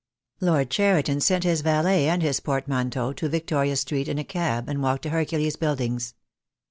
Lord Cheriton sent his valet and his portmanteau to Victoria Street in a cab, and walked to Hercules Buildings.